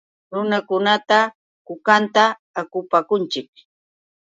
Runakunapa kukankunata akupakunchik.